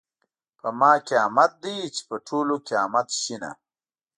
په ما قیامت ده چې په ټولو قیامت شینه .